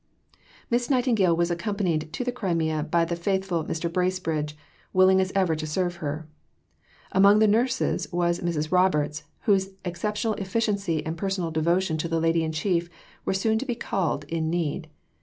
Miss Nightingale was accompanied to the Crimea by the faithful Mr. Bracebridge, willing as ever to serve her. Among the nurses was Mrs. Roberts, whose exceptional efficiency and personal devotion to the Lady in Chief were soon to be called in need.